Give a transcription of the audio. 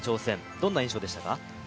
どんな印象でしたか？